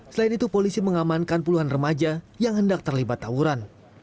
selain itu polisi mengamankan puluhan remaja yang hendak terlibat tawuran